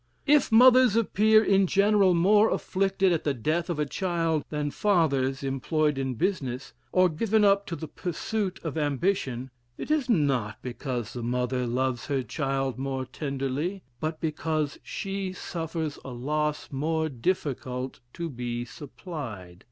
If mothers appear in general more afflicted at the death of a child than fathers employed in business, or given up to the pursuit of ambition, it is not because the mother loves her child more tenderly, but because she suffers a loss more difficult to be supplied.